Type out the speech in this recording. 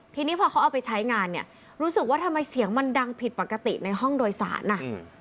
ทีนี้พอเขาเอาไปใช้งานเนี่ยรู้สึกว่าทำไมเสียงมันดังผิดปกติในห้องโดยสารอ่ะอืม